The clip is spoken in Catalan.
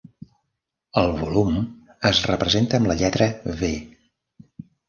El volum es representa amb la lletra "V".